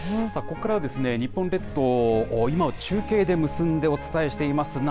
ここからは、日本列島の今を中継で結んでお伝えしています。